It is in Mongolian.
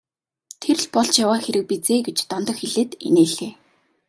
Тэр л болж яваа хэрэг биз ээ гэж Дондог хэлээд инээлээ.